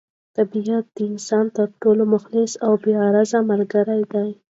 طبیعت د انسان تر ټولو مخلص او بې غرضه ملګری دی.